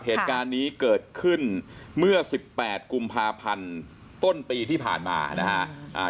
เหตุการณ์นี้เกิดขึ้นเมื่อสิบแปดกุมภาพันธ์ต้นปีที่ผ่านมานะฮะ